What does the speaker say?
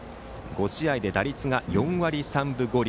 ５試合で打率が４割３分５厘。